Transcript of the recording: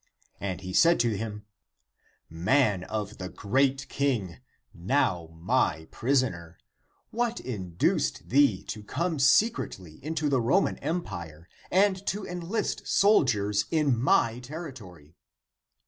And he said to him, " Man of the great King, now my prisoner, what induced thee to come secretly into the Roman empire and to enlist soldiers in my territory?"